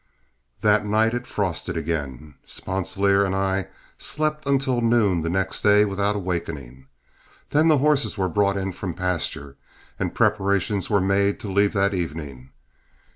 That night it frosted again. Sponsilier and I slept until noon the next day without awakening. Then the horses were brought in from pasture, and preparation was made to leave that evening.